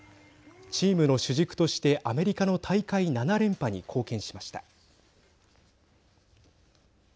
チームの主軸としてアメリカの大会７連覇に貢献しました。